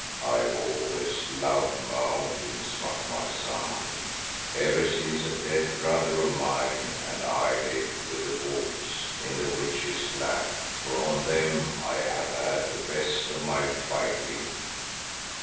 I have always loved mountains, Macumazahn, ever since a dead brother of mine and I lived with the wolves in the Witch's lap, for on them I have had the best of my fighting."